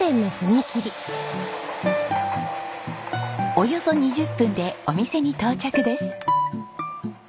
およそ２０分でお店に到着です。